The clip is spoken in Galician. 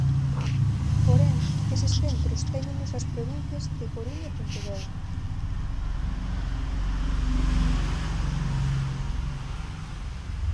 Porén, eses centros téñenos as provincias de Coruña e Pontevedra.